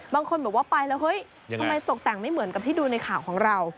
บางคนบอกว่าไปแล้วเฮ้ยทำไมตกแต่งไม่เหมือนกับที่ดูในข่าวของเรา